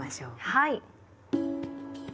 はい。